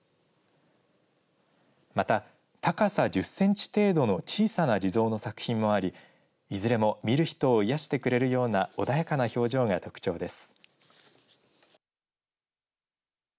また、高さ１０センチ程度の小さな地蔵の作品もありいずれも見る人を癒やしてくれるような穏やかな表情が特徴です。